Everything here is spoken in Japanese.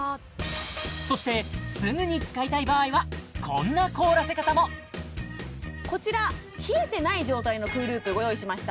そしてすぐに使いたい場合はこんな凍らせ方もこちら冷えてない状態のＣＯＯＬＯＯＰご用意しました